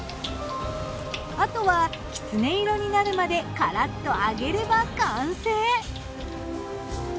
あとはきつね色になるまでカラッと揚げれば完成。